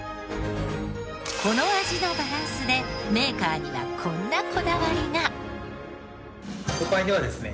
この味のバランスでメーカーにはこんなこだわりが。